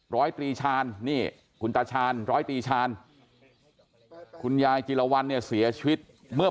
ร้อยตรีชาญคุณตาชาญร้อยตรีชาญคุณยายจิรวรรณเสียชีวิตเมื่อ